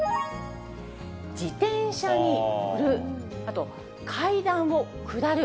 自転車に乗る、あと階段を下る。